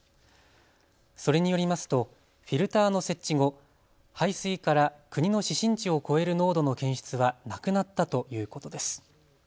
それによりますとフィルターの設置後、排水から国の指針値を超える濃度の検出はなくなったということです。